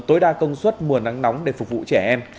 tối đa công suất mùa nắng nóng để phục vụ trẻ em